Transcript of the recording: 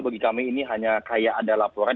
bagi kami ini hanya kayak ada laporan